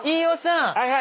はいはい！